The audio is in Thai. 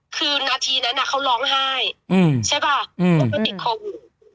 คือนาทีนั้นเขาร้องไห้ใช่ป่ะว่าเขาติดโควิด